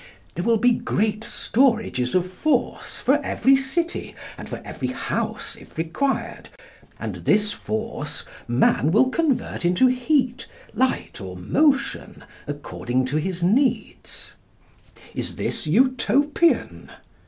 There will be great storages of force for every city, and for every house if required, and this force man will convert into heat, light, or motion, according to his needs. Is this Utopian?